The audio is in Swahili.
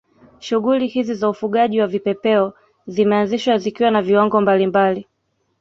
Shughuli hizi za ufugaji wa vipepeo zimeanzishwa zikiwa na viwango mbalimbali